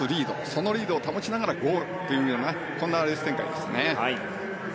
そのリードを保ちながらゴールというようなレース展開です。